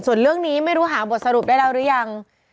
ส่วนเรื่องนี้ไม่รู้หาบทสรุปได้แล้วหรือยัง